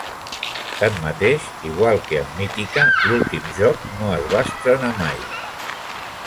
Tanmateix, igual que amb Mythica, l'últim joc no es va estrenar mai.